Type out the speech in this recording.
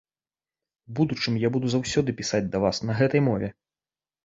У будучым я буду заўсёды пісаць да вас на гэтай мове.